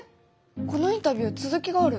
このインタビュー続きがある。